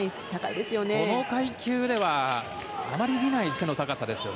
この階級ではあまり見ない背の高さですよね。